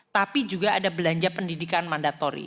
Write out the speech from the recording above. tapi juga ada belanja pendidikan mandatori